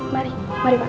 mari mari pak